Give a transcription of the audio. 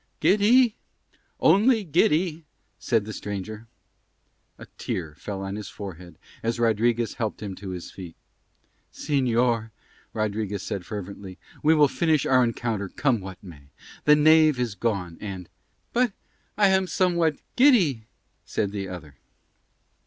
"Giddy, only giddy," said the stranger. A tear fell on his forehead as Rodriguez helped him to his feet. "Señor," Rodriguez said fervently, "we will finish our encounter come what may. The knave is gone and ..." "But I am somewhat giddy," said the other.